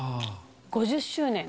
５０周年。